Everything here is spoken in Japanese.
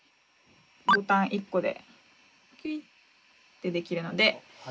ボタン１個でキュイってできるので。